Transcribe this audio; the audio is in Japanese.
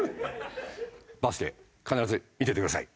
バスケ必ず見てください。